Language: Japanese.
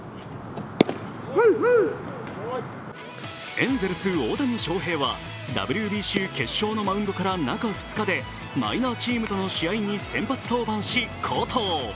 エンゼルス・大谷翔平はＷＢＣ決勝のマウンドから中２日でマイナーチームとの試合に先発登板し、好投。